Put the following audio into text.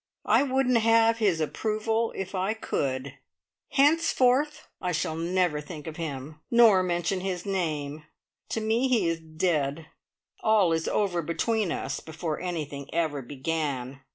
I wouldn't have his approval if I could. Henceforth I shall never think of him, nor mention his name. To me he is dead. All is over between us before anything ever began!